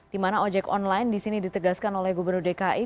di mana ojek online di sini ditegaskan oleh gubernur dki